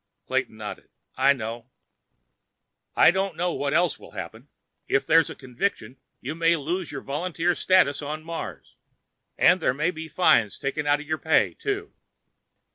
Clayton nodded. "I know." "I don't know what else will happen. If there's a conviction, you may lose your volunteer status on Mars. And there may be fines taken out of your pay, too.